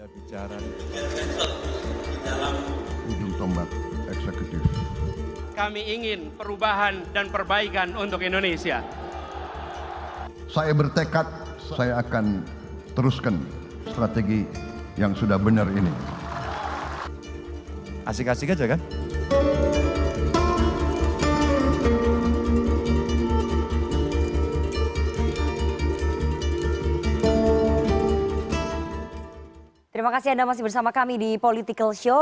terima kasih anda masih bersama kami di political show